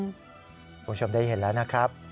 คุณผู้ชมได้เห็นแล้วนะครับ